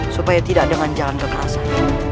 supaya tidak dengan jalan kekerasan